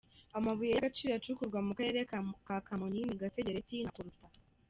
Amabuye y’agaciro acukurwa mu karere ka Kamonyi ni Gasegereti na Koruta.